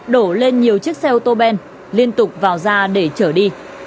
đổ lên nhiều chiếc xe ô tô ben liên tục vào ra để trở đi